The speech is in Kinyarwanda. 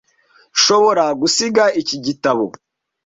Nshobora gusiga iki gitabo?